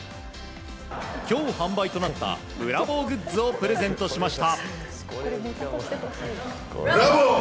今日販売となったブラボーグッズをプレゼントしました。